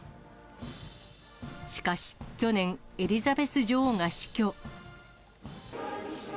しかし去年、エリザベス女王が死去。